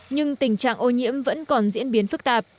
nhưng tình trạng ô nhiễm vẫn còn diễn biến phức tạp